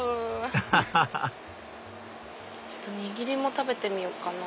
ハハハちょっとにぎりも食べてみようかな。